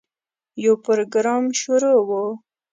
یو پروګرام شروع و.